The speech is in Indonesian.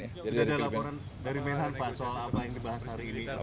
sudah ada laporan dari menhan pak soal apa yang dibahas hari ini